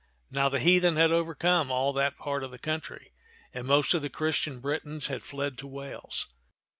Now the heathen had overcome all that part of the country, and most of the Christian Britons had fled to Wales.